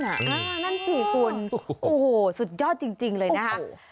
นั่นผี่คุณโหสุดยอดจริงเลยนะ